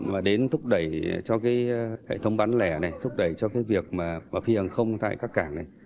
và đến thúc đẩy cho cái hệ thống bán lẻ này thúc đẩy cho cái việc mà phi hàng không tại các cảng này